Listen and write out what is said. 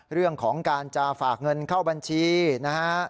เรื่องของการจะฝากเงินเข้าบัญชีนะฮะ